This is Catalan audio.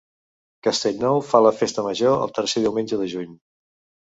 Castellnou fa la Festa Major el tercer diumenge de juny.